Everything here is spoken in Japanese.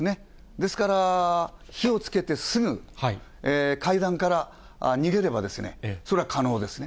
ですから、火をつけてすぐ階段から逃げればですね、それは可能ですね。